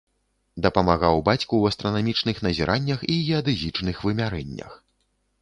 Дапамагаў бацьку ў астранамічных назіраннях і геадэзічных вымярэннях.